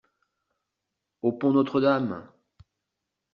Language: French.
Au pont Notre-Dame!